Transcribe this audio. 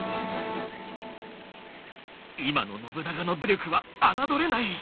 今の信長の武力は侮れない。